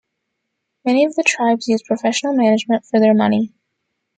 Many of the tribes use professional management for their money.